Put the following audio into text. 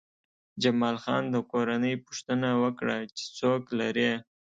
جمال خان د کورنۍ پوښتنه وکړه چې څوک لرې